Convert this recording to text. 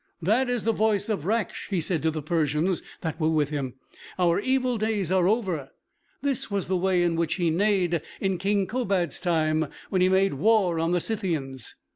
"That is the voice of Raksh," he said to the Persians that were with him; "our evil days are over. This was the way in which he neighed in King Kobad's time, when he made war on the Scythians."